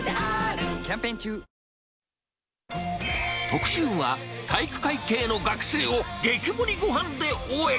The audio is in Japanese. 特集は、体育会系の学生を激盛りごはんで応援。